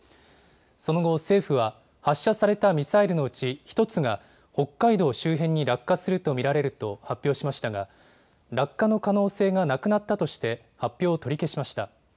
その後、政府は発射されたミサイルのうち１つが北海道周辺に落下すると見られると発表しましたが落下の可能性がなくなったとして発表を取り消しました。